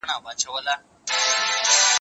زه پرون د سبا لپاره د نوي لغتونو يادوم!!